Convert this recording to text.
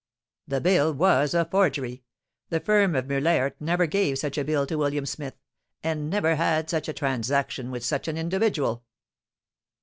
"That bill was a forgery! the firm of Meulaert never gave such a bill to William Smith, and never had such a transaction with such an individual."